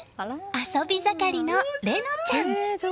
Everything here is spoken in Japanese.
遊び盛りの玲乃ちゃん。